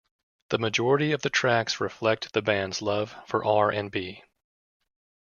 The majority of the tracks reflect the band's love for R and B.